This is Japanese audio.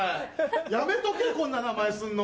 やめとけこんな名前にすんの。